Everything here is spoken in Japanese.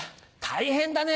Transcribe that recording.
大変だね。